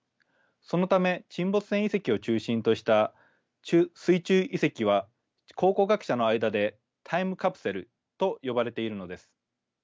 そのため沈没船遺跡を中心とした水中遺跡は考古学者の間でタイムカプセルと呼ばれているのです。